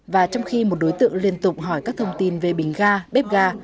và trong khi một đối tượng liên tục hỏi các thông tin về bình ga bếp ga